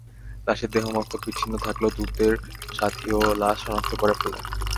লাশের দেহ মস্তক বিচ্ছিন্ন থাকলেও দূতের সাথিয় লাশ শনাক্ত করে ফেলে।